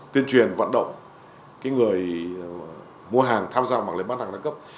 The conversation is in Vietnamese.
tuyên truyền vận động người mua hàng tham gia mạng lưới bán hàng đa cấp